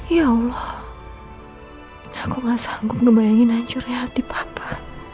ya allah aku gak sanggup ngebayangin hancurnya hati papa